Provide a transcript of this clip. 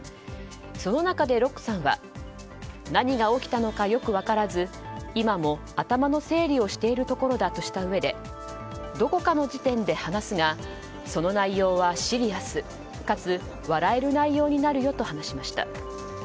その中でロックさんは何が起きたのかよく分からず今も頭の整理をしているところだとしたうえでどこかの時点で話すがその内容はシリアスかつ笑える内容になるよと話しました。